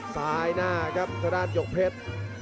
ซ้ายหน้ากับธนาดิ์ยกเผ็ด